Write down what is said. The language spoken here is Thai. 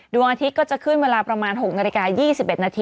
ดวงอาทิตย์ก็จะขึ้นเวลาประมาณ๖นาฬิกา๒๑นาที